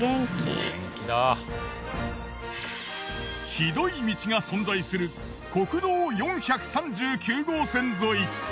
酷い道が存在する国道４３９号線沿い。